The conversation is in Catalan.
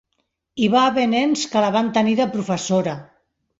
Hi va haver nens que la van tenir de professora.